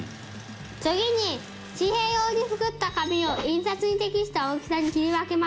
次に紙幣用に作った紙を印刷に適した大きさに切り分けます。